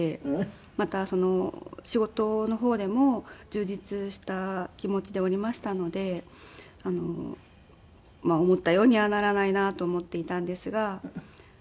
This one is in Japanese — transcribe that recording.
またその仕事の方でも充実した気持ちでおりましたので思ったようにはならないなと思っていたんですが。